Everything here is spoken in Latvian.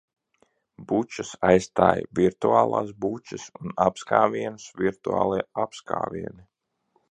Bučas aizstāj virtuālās bučas un apskāvienus - virtuālie apskāvieni.